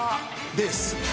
です